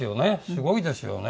すごいですよね